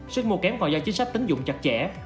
sức mua kém còn do chính sách tính dụng chặt chẽ